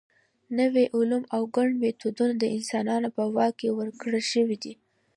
نوي علوم او ګڼ میتودونه د انسانانو په واک کې ورکړل شوي دي.